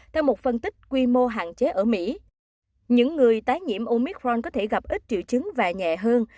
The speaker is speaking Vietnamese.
theo một phân tích quy mô hạn chế ở mỹ những người tái nhiễm omicron có thể gặp ít triệu chứng và nhẹ hơn